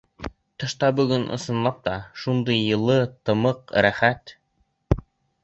Тышта бөгөн, ысынлап та, шундай йылы, тымыҡ, рәхәт.